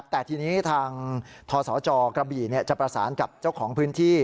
แต่ทีนี้ทางทศจกระบี่จะประสานกับเจ้าของพื้นที่